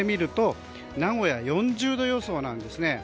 名古屋は４０度予想なんですね。